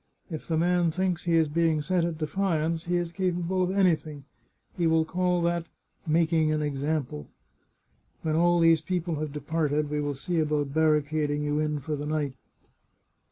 If the man thinks he is being set at defiance he is capable of anything; he will call that making an example! When all these people have 133 The Chartreuse of Parma departed we will see about barricading you in for the night.